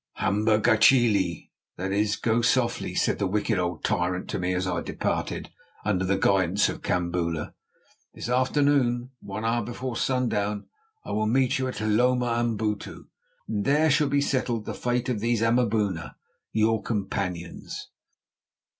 "Hamba gachle" (that is "Go softly"), said the wicked old tyrant to me as I departed under the guidance of Kambula. "This afternoon, one hour before sundown, I will meet you at Hloma Amabutu, and there shall be settled the fate of these Amaboona, your companions."